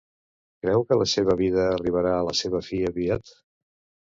Creu que la seva vida arribarà a la seva fi aviat?